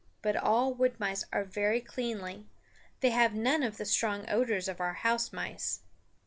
But all wood mice are very cleanly; they have none of the strong odors of our house mice.